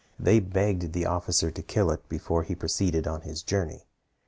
They begged the officer to kill it before he proceeded on his journey.